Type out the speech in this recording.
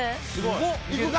いくか？